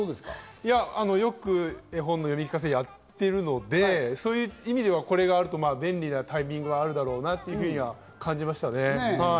よく絵本の読み聞かせをやっているので、そういう意味ではこれがあると便利なタイミングもあるだろうなと感じましたね。